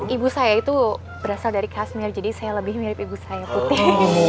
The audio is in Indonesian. ibu saya itu berasal dari kasmil jadi saya lebih mirip ibu saya putih